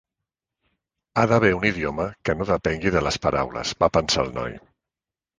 Ha d'haver un idioma que no depengui de les paraules, va pensar el noi.